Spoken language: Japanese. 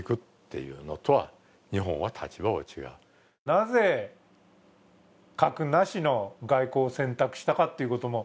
なぜ核なしの外交を選択したかということも